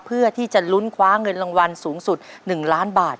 เพื่อที่จะลุ้นคว้าเงินรางวัลสูงสุด๑ล้านบาท